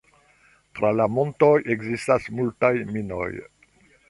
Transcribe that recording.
Tra la montoj ekzistas multaj minoj.